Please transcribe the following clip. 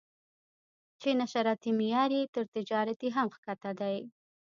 چې نشراتي معیار یې تر تجارتي هم ښکته دی.